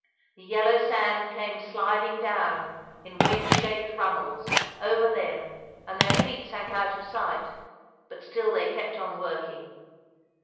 The yellow sand came sliding down, in wedge shaped runnels, over them, and their feet sank out of sight; but still they kept on working.